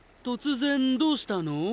突然どうしたの？